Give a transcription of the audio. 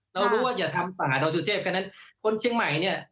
เรารู้ว่าอย่าทำป่าดอยสุเทพแค่นั้นคนเชียงใหม่เนี่ย